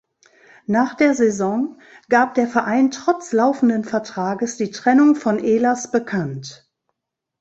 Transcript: Nach der Saison gab der Verein trotz laufenden Vertrages die Trennung von Ehlers bekannt.